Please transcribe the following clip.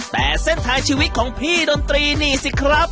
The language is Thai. แต่เส้นทางชีวิตของพี่ดนตรีนี่สิครับ